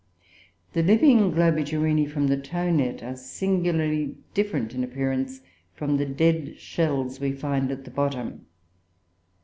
The living Globigerinoe from the tow net are singularly different in appearance from the dead shells we find at the bottom.